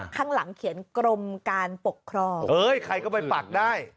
ข้างหลังเขียนกรมการปกครองเอ้ยใครก็ไปปักได้